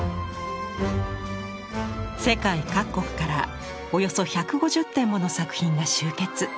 世界各国からおよそ１５０点もの作品が集結。